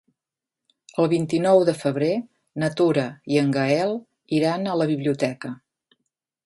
El vint-i-nou de febrer na Tura i en Gaël iran a la biblioteca.